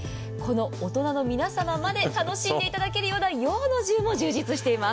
大人の皆様まで楽しんでいただけるような洋の重も充実しています。